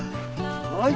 はい。